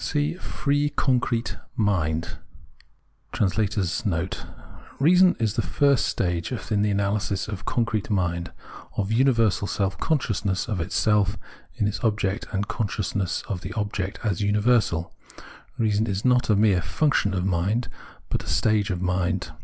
c [FREE CONCRETE MIND*] (AA) REASON t [Reason is the first stage in the analysis of concrete mind — of universal self conscious of itself in its object and conscious of the object as universal. Keason is not a mere 'function' of mind, but a stage of mind.